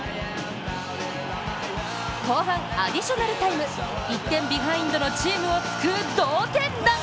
後半アディショナルタイム、１点ビハインドのチームを救う同点弾。